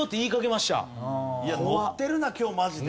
ノッてるな今日マジで。